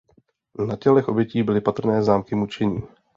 Na tělech obětí byly patrné známky mučení.